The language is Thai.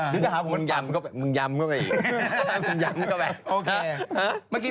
มือยำก็แบบนี้